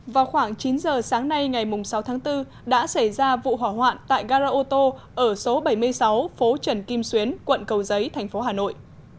vào khoảng chín giờ sáng nay ngày sáu tháng bốn đã xảy ra vụ hỏa hoạn tại gara ô tô ở số bảy mươi sáu phố trần kim xuyến quận cầu giấy thành phố hà nội